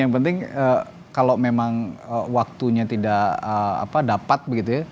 yang penting kalau memang waktunya tidak dapat begitu ya